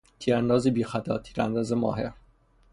تیرانداز بیخطا، تیرانداز ماهر